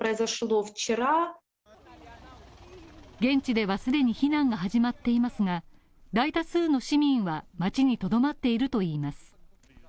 現地では既に避難が始まっていますが大多数の市民は街にとどまっているといいます